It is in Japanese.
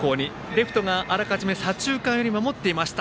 レフトがあらかじめ左中間寄りに守っていました。